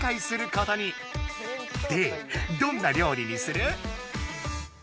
でどんな料理にする？